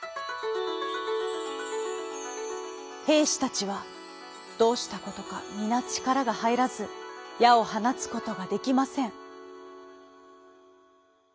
へいしたちはどうしたことかみなちからがはいらずやをはなつことができません。